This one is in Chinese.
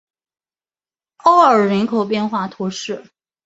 奥尔人口变化图示